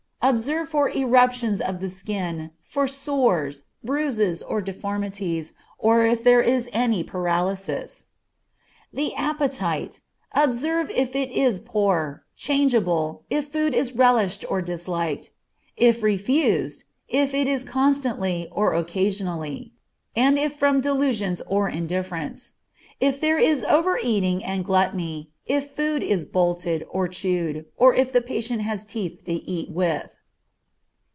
Observe for eruptions of the skin, for sores, bruises, or deformities, or if there is any paralysis. The appetite. Observe if it is poor, changeable, if food is relished or disliked; if refused, if it is constantly or occasionally, and if from delusions or indifference; if there is overeating and gluttony, if food is bolted, or chewed, or if the patient has teeth to eat with.